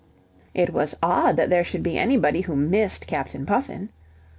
It was odd that there should be anybody who missed Captain Puffin.